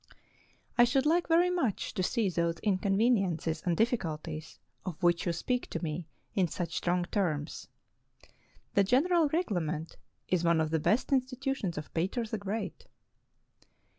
"I should like very much to see those inconveniences and difficulties of which you speak to me in such strong terms. The General Reglement is one of the best insti tutions of Peter the Great."